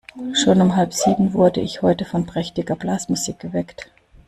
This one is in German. Schon um halb sieben wurde ich heute von prächtiger Blasmusik geweckt.